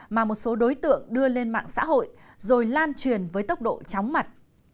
mà một số đối tượng đưa lên mạng xã hội rồi lan truyền với tốc độ chóng mặt